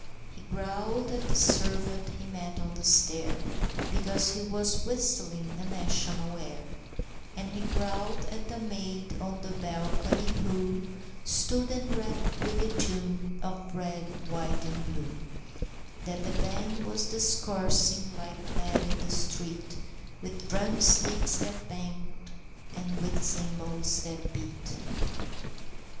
He growled at the servant he met on the stair, Because he was whistling a national air, And he growled at the maid on the balcony, who Stood enrapt with the tune of "The Red, White and Blue" That a band was discoursing like mad in the street, With drumsticks that banged, and with cymbals that beat.